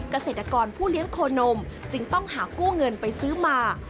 เกษตรกรผู้เลี้ยงโคนมจึงต้องหากู้เงินไปซื้อมา